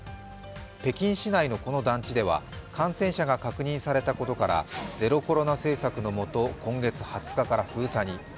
北京市内のこの団地では感染者が確認されたことからゼロコロナ政策のもと今月２０日から封鎖に。